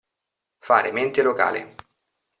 Fare mente locale.